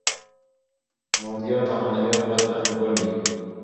مادیات او معنویات باید انډول وي.